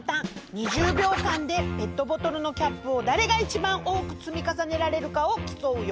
２０びょうかんでペットボトルのキャップをだれがいちばんおおくつみかさねられるかをきそうよ。